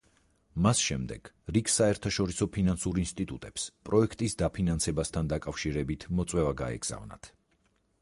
მას შემდეგ რიგ საერთაშორისო ფინანსურ ინსტიტუტებს პროექტის დაფინანსებასთან დაკავშირებით მოწვევა გაეგზავნათ.